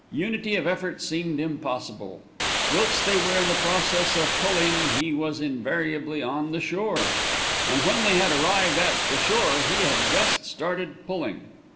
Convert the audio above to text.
Unity of effort seemed impossible. Whilst they were in the process of "pulling," he was invariably on "the shore"; and when they had arrived at "the shore," he had just started "pulling."